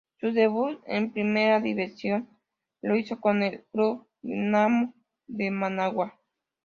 Su debut en Primera División lo hizo con el club Dinamo de Managua.